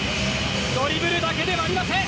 ドリブルだけではありません。